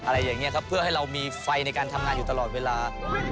อะไรอย่างนี้ครับเพื่อให้เรามีไฟในการทำงานอยู่ตลอดเวลา